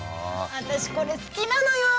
私これ好きなのよ。